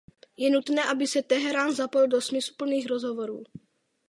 Je nutné, aby se Teherán zapojil do smysluplných rozhovorů.